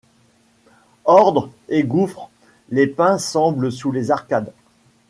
Ordre et gouffre ; les pins semblent sous les arcades